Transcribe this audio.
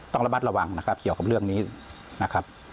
ต้องระมัดระวังนะครับเกี่ยวกับเรื่องนี้นะครับ